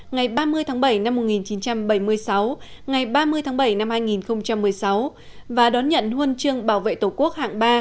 ngày ba mươi tháng bảy năm một nghìn chín trăm bảy mươi sáu ngày ba mươi tháng bảy năm hai nghìn một mươi sáu và đón nhận huân chương bảo vệ tổ quốc hạng ba